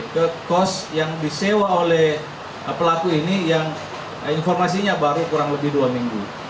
ke kos yang disewa oleh pelaku ini yang informasinya baru kurang lebih dua minggu